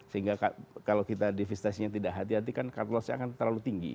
sehingga kalau kita divestasinya tidak hati hati kan cut lossnya akan terlalu tinggi